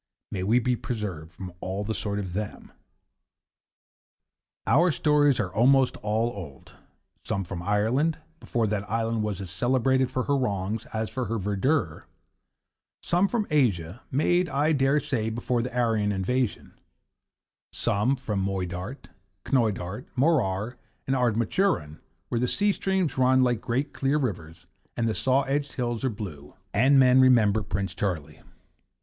May we be preserved from all the sort of them! Our stories are almost all old, some from Ireland, before that island was as celebrated for her wrongs as for her verdure; some from Asia, made, I dare say, before the Aryan invasion; some from Moydart, Knoydart, Morar and Ardnamurchan, where the sea streams run like great clear rivers and the saw edged hills are blue, and men remember Prince Charlie.